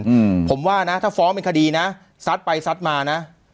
อืมผมว่านะถ้าฟ้องเป็นคดีนะซัดไปซัดมานะ